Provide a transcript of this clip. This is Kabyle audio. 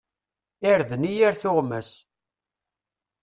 Irden i yir tuɣmas.